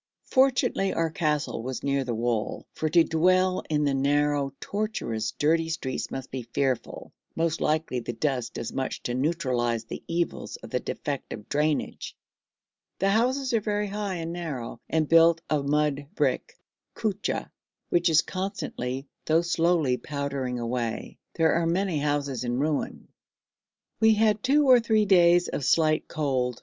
Fortunately our castle was near the wall, for to dwell in the narrow, tortuous, dirty streets must be fearful most likely the dust does much to neutralise the evils of the defective drainage. The houses are very high and narrow and built of mud brick (kutcha), which is constantly though slowly powdering away. There are many houses in ruins. We had two or three days of slight cold.